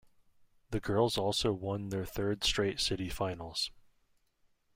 The girls also won their third straight city finals.